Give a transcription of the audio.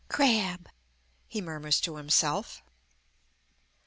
"Crab," he murmurs to himself.